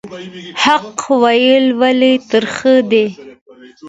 حق ویل ولې ترخه دي؟